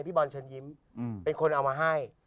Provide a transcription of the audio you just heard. บอลเชิญยิ้มเป็นคนเอามาให้